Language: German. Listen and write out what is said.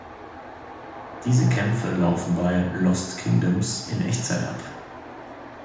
Diese Kämpfe laufen bei "Lost Kingdoms" in Echtzeit ab.